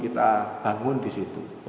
kita bangun di situ